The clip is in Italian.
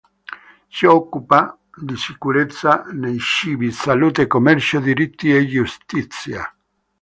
Si occupa di sicurezza dei cibi, salute, commercio, diritti e giustizia.